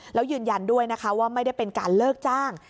แล้วยืนยันด้วยนะคะว่าไม่ได้เป็นการเลิกจ้าง